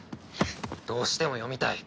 どうしても読みたい！